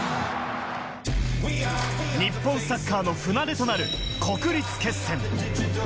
日本サッカーの船出となる国立決戦。